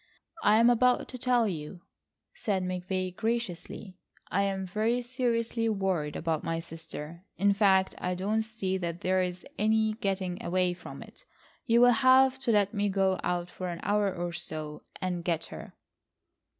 "I am about to tell you," said McVay graciously, "I am very seriously worried about my sister. In fact I don't see that there is any getting away from it; you will have to let me go out for an hour or so and get her."